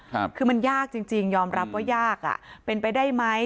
คือมันยากจริงจริงยอมรับว่ายากอ่ะเป็นไปได้ไหม